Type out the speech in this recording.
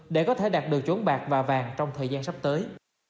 để có thể đạt được trốn bạc và vàng trong thời gian sắp tới